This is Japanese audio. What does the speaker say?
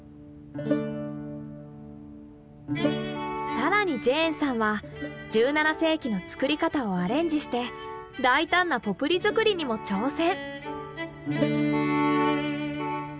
更にジェーンさんは１７世紀の作り方をアレンジして大胆なポプリ作りにも挑戦。